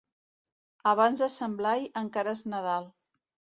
Abans de Sant Blai encara és Nadal.